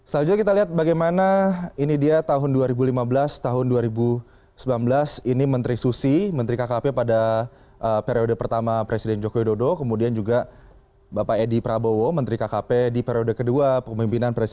selanjutnya kita lihat bagaimana ini dia tahun dua ribu lima belas tahun dua ribu sembilan belas ini menteri susi menteri kkp pada periode pertama presiden jokowi dodo kemudian juga bapak edi prabowo menteri kkp di periode kedua pemimpin